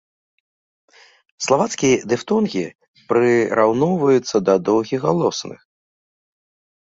Славацкія дыфтонгі прыраўноўваюцца да доўгіх галосных.